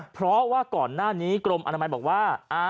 เพราะว่าก่อนหน้านี้กรมอนามัยบอกว่า